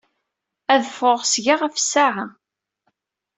Ad d-ffɣeɣ seg-a ɣef ssaɛa.